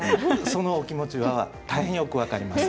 その気持ちは大変よく分かります。